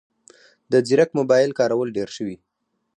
د ځیرک موبایل کارول ډېر شوي